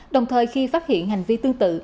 đồng thời khi phát hiện hành vi tương tự